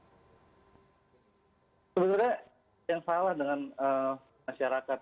sebenarnya yang salah dengan masyarakat